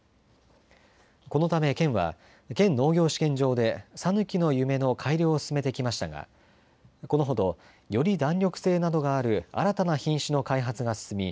このため県は県農業試験場でさぬきの夢の改良を進めてきましたがこのほど、より弾力性などがある新たな品種の開発が進み